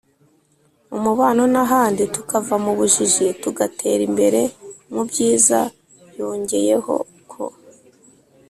umubano n’ahandi; tukava mu bujiji, tugatera imbere mu byiza. yongeyeho ko